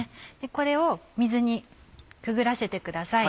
これを水にくぐらせてください。